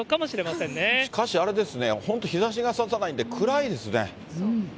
しかし、あれですね、本当日ざしがささないんで、暗いですね。